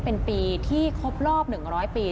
เป็นปีที่ครบรอบ๑๐๐ปี